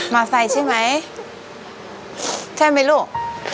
มาใส่ใช่ไหมใช่ไหมลูก